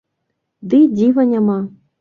Ды і дзіва няма!